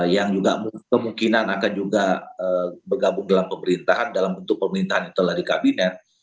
yang juga kemungkinan akan juga bergabung dalam pemerintahan dalam bentuk pemerintahan itulah di kabinet